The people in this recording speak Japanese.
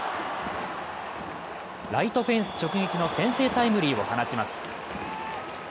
ライトフェンス直撃の先制タイムリーを放ちます。